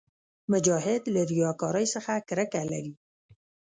مجاهد له ریاکارۍ څخه کرکه لري.